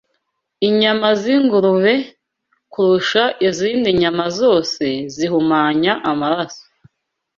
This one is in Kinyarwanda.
Inyama z’ingurube, kurusha izindi nyama zose, zihumanya amaraso.